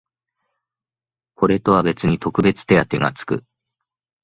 これとは別に特別手当てがつく